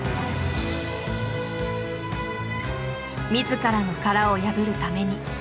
自らの殻を破るために。